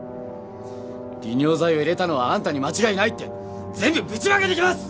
利尿剤を入れたのはあんたに間違いないって全部ぶちまけてきます！